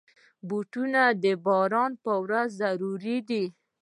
بوټونه د باران پر ورځ ضروري دي.